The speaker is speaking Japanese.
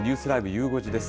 ゆう５時です。